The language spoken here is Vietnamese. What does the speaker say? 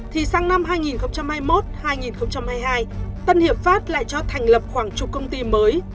thì sang năm hai nghìn hai mươi một hai nghìn hai mươi hai tân hiệp pháp lại cho thành lập khoảng chục công ty mới